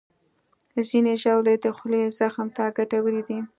ځینې ژاولې د خولې زخم ته ګټورې دي.